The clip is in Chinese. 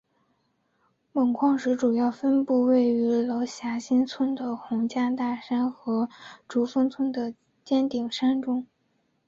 锰矿石主要分布于位于娄霞新村的洪家大山和竹峰村的尖顶山中。